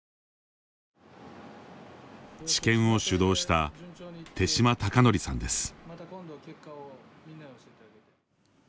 治験を主導した豊嶋崇徳さんです。